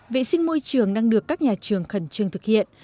vệ sinh môi trường đang được các nhà trường khẩn trương thực hiện